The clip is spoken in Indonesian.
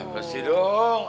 beres di dong